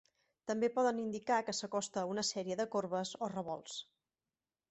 També poden indicar que s'acosta una sèrie de corbes o revolts.